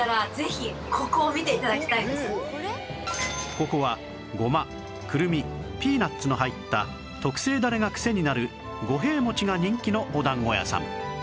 ここはゴマクルミピーナツの入った特製ダレがクセになる五平餅が人気のお団子屋さん